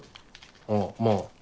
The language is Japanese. ああまぁ。